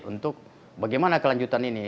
untuk bagaimana kelanjutan ini